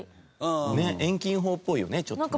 遠近法っぽいよねちょっとね。